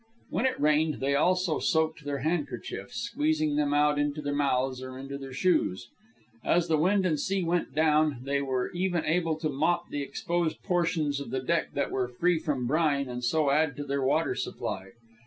When it rained, they also soaked their handkerchiefs, squeezing them out into their mouths or into their shoes. As the wind and sea went down, they were even able to mop the exposed portions of the deck that were free from brine and so add to their water supply.